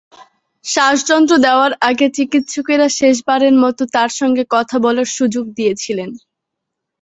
শ্বাসযন্ত্র দেওয়ার আগে চিকিৎসকেরা শেষবারের মতো তাঁর সঙ্গে কথা বলার সুযোগ দিয়েছিলেন।